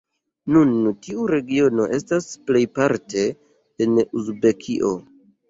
Nun tiu regiono estas plejparte en Uzbekio.